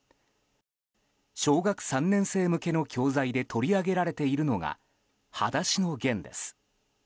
小学３年向けの教材で取り上げられているのが「はだしのゲン」です。